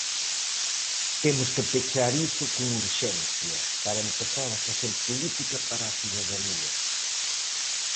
"Temos que pechar iso con urxencia para empezar a facer política para a cidadanía".